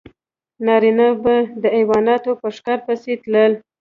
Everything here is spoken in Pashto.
نارینه به د حیواناتو په ښکار پسې تلل.